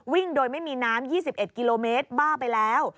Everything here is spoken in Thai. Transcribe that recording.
วิ่งโดยไม่มีน้ำ๒๑กิโลเมตรบ้าไปแล้ว